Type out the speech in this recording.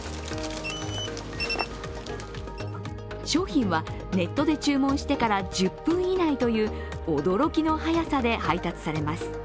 商品はネットで注文してから１０分以内という驚きの早さで配達されます。